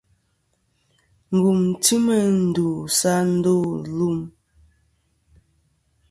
Ngùm ti meyn ndu sɨ a ndô lum.